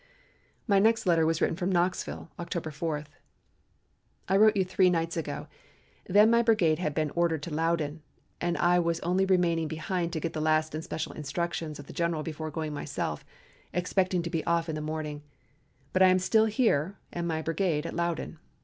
My next letter was written from Knoxville October 4: "I wrote you three nights ago. Then my brigade had been ordered to Loudon, and I was only remaining behind to get the last and special instructions of the general before going myself, expecting to be off in the morning, but I am still here and my brigade at Loudon.